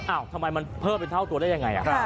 ทำไมมันเพิ่มเป็นเท่าตัวได้ยังไง